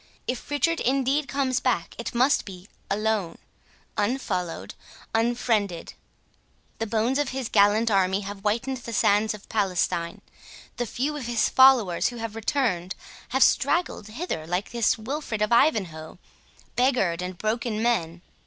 If Richard indeed comes back, it must be alone,—unfollowed—unfriended. The bones of his gallant army have whitened the sands of Palestine. The few of his followers who have returned have straggled hither like this Wilfred of Ivanhoe, beggared and broken men.